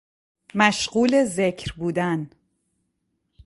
مشغول ذکر بودن